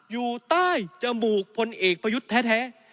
อยู่ใต้จมูกพลเอกประยุทธ์แท้